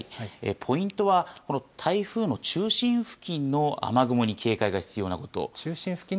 ポイントは、この台風の中心付近の雨雲に警戒が必要なこと。